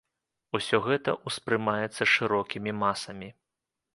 Усё гэта ўспрымаецца шырокімі масамі.